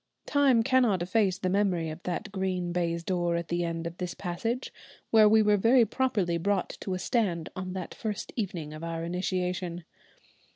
Time cannot efface the memory of that green baize door at the end of this passage, where we were very properly brought to a stand on that first evening of our initiation.